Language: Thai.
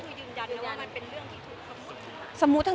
เนื้อหาดีกว่าน่ะเนื้อหาดีกว่าน่ะ